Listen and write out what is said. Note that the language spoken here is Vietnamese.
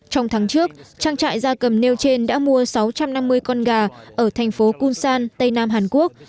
trong tháng trước trang trại gia cầm nêu trên đã mua sáu trăm năm mươi con gà ở thành phố kunsan tây nam hàn quốc